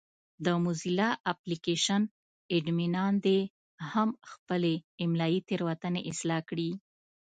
د موزیلا اپلېکشن اډمینان دې هم خپلې املایي تېروتنې اصلاح کړي.